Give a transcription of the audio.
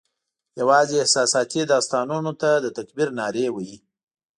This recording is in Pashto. یوازي احساساتي داستانونو ته د تکبیر نارې وهي